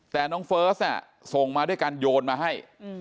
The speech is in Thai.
แต่น้องเฟิร์สส่งมาด้วยการโยนมาให้